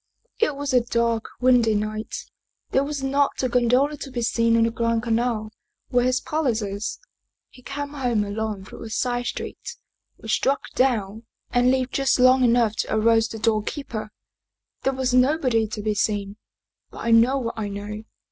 " It was a dark, windy night; there was not a gondola to be seen on the Grand Canal, where his palace is. He came home alone through a side street, was struck down, and lived just long enough to arouse the doorkeeper. There was nobody to be seen. But I know what I know.